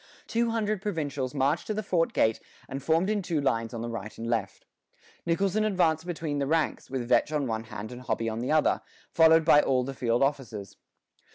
Two hundred provincials marched to the fort gate and formed in two lines on the right and left. Nicholson advanced between the ranks, with Vetch on one hand and Hobby on the other, followed by all the field officers.